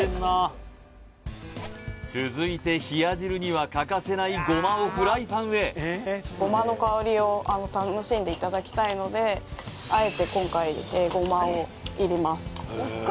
続いて冷や汁には欠かせないごまをフライパンへごまの香りを楽しんでいただきたいのであえて今回ごまを炒ります